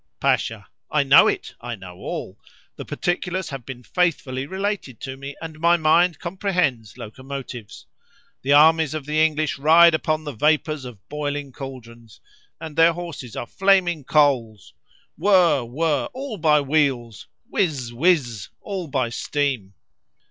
Pasha.—I know it—I know all—the particulars have been faithfully related to me, and my mind comprehends locomotives. The armies of the English ride upon the vapours of boiling caldrons, and their horses are flaming coals!—whirr! whirr! all by wheels!—whiz! whiz! all by steam!